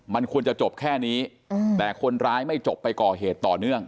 มันควรจะจบแค่นี้แต่คนร้ายไม่จบไปก่อเหตุต่อเนื่อง